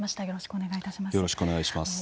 よろしくお願いします。